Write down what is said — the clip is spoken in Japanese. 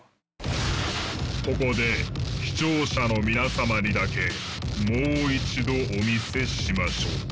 ここで視聴者の皆様にだけもう一度お見せしましょう。